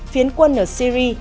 phiến quân ở syri